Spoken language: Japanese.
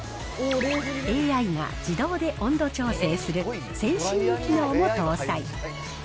ＡＩが自動で温度調整するセンシング機能も搭載。